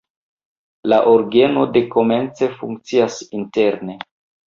La orgeno dekomence funkcias interne.